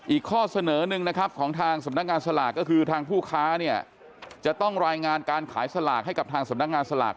อีกข้อเสนอหนึ่งนะครับของทางสำนักงานสลากก็คือทางผู้ค้าเนี่ยจะต้องรายงานการขายสลากให้กับทางสำนักงานสลาก